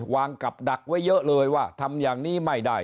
วางกับดักไว้เยอะเลยว่าทำอย่างนี้ไม่ได้